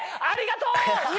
ありがとう！